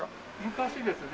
昔ですね